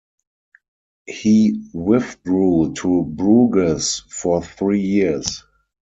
He withdrew to Bruges for three years.